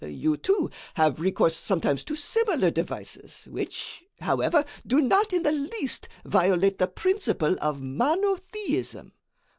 You, too, have recourse sometimes to similar devices, which, however, do not in the least violate the principle of monotheism."